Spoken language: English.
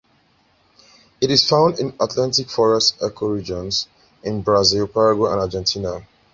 It is found in Atlantic Forest ecoregions, in Brazil, Paraguay and Argentina.